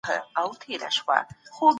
ښایست په مخ نه په اخلاقو دی.